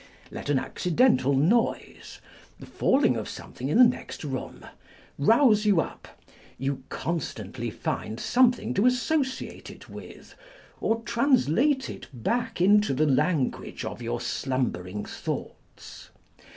Let an accidental noise, the falling of something in the next room, rouse you up, you constantly find something to associate it with, or translate it back into the language of your slumbering thoughts.